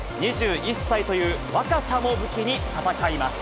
２１歳という若さも武器に戦います。